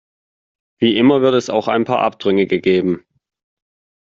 Wie immer wird es auch ein paar Abtrünnige geben.